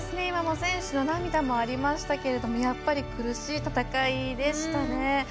今も選手の涙もありましたけどやっぱり、苦しい戦いでしたね。